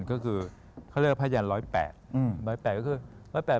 ก็คือเขาเรียกว่าภายัน๑๐๘